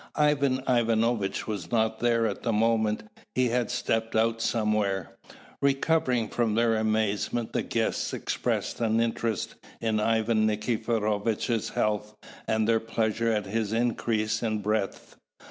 Ivan Ivanovitch was not there at the moment: he had stepped out somewhere. Recovering from their amazement, the guests expressed an interest in Ivan Nikiforovitch's health, and their pleasure at his increase in breadth.